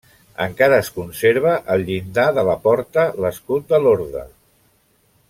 Encara es conserva al llindar de la porta l'escut de l'orde.